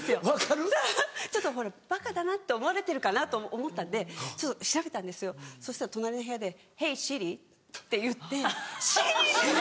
そうちょっと「バカだな」と思われてるかなと思ったんで調べたんですよそしたら隣の部屋で「ヘイＳｉｒｉ」って言ってＳｉｒｉに！